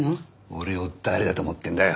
俺を誰だと思ってるんだよ。